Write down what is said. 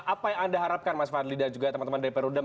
apa yang anda harapkan mas fadli dan juga teman teman dari perudam